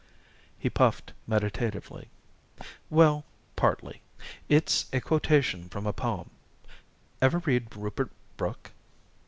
He puffed meditatively, "Well partly. It's a quotation from a poem. Ever read Rupert Brooke?"